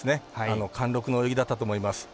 貫禄の泳ぎだったと思います。